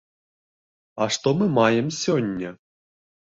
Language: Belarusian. А што мы маем сёння?